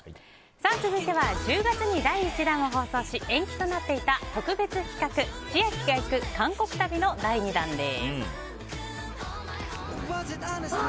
続いては１０月に第１弾を放送し延期となっていた特別企画千秋が行く韓国旅の第２弾です。